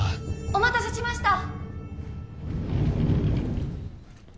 お待たせしました！